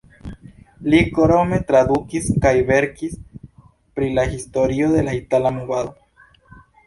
Li krome tradukis kaj verkis pri la historio de la itala movado.